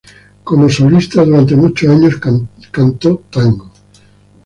Como solista durante muchos años, cantó tango.